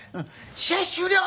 試合終了！